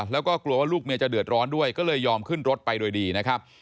แล้วก็กลัวว่าลูกเมียจะเดือดร้อนด้วยก็เลยยอมขึ้นรถไปโดยดีนะครับ